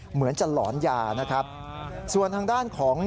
เหมือนจะหลอนยานะครับส่วนทางด้านของ